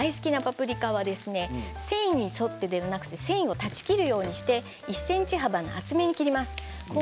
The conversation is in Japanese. それからパプリカ大好きなパプリカは繊維に沿ってではなくて繊維を断ち切るようにして１ｃｍ幅の厚めに切ります。